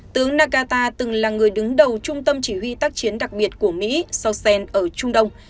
tướng nagata từng là người đứng đầu trung tâm chỉ huy tác chiến đặc biệt của mỹ sosen ở trung đông